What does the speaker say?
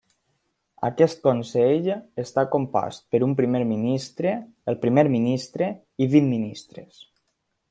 Aquest consell està compost per un Primer Ministre, el Primer Ministre i vint ministres.